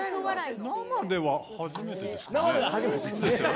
生では初めてですね。